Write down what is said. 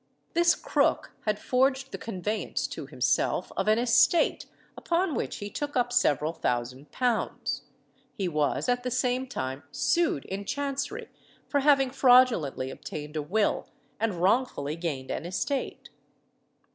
This Crook had forged the conveyance, to himself, of an estate, upon which he took up several thousand pounds. He was at the same time sued in Chancery for having fraudulently obtained a will and wrongfully gained an estate.